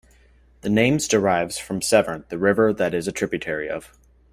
The names derives from Severn, the river that it is a tributary of.